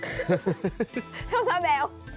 ทำท่าแบว